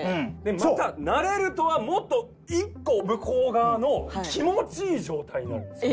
また「慣れる」とはもっと１個向こう側の気持ちいい状態になるんですよ。